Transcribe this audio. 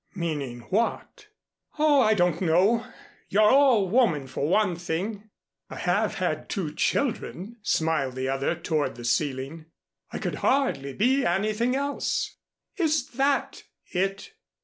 "Meaning what?" "Oh, I don't know. You're all woman, for one thing." "I have had two children," smiled the other toward the ceiling. "I could hardly be anything else." "Is that it?"